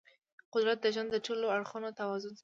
قدرت د ژوند د ټولو اړخونو توازن ساتي.